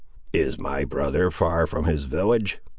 "Is my brother far from his village?"